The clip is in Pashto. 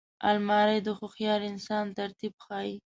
الماري د هوښیار انسان ترتیب ښيي